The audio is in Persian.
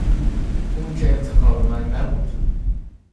اون که انتخاب من نبود